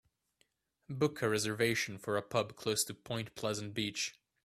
Book a reservation for a pub close to Point Pleasant Beach